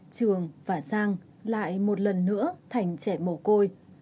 trường và giang lại một lần nữa thành trẻ mổ côi